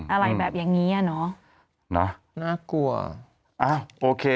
อะไรแบบอย่างนี้น่ะนะน่ากลัวอ่ะโอเค